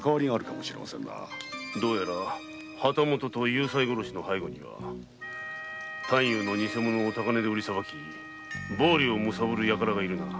どうやら旗本と夕斎殺しの背後には探幽のニセ物を高値で売りさばき暴利をむさぼるヤカラがいるな。